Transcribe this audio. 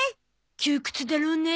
窮屈だろうねえ。